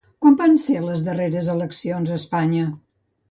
Quan van ser les darreres eleccions a Espanya?